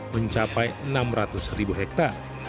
mencapai enam ratus ribu hektare